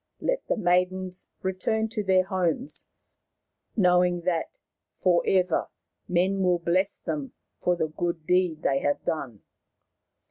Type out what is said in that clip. Let the maidens return to their homes, knowing that for ever men will bless them for the good deed they have done."